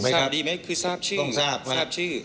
ทราบดีไหมคือทราบชื่อ